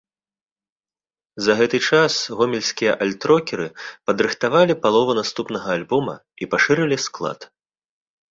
За гэты час гомельскія альт-рокеры падрыхтавалі палову наступнага альбома і пашырылі склад.